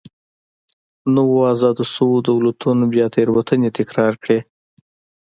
نویو ازاد شویو دولتونو بیا تېروتنې تکرار کړې.